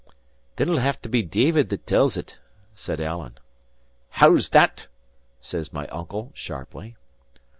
"Then it'll have to be David that tells it," said Alan. "How that?" says my uncle, sharply.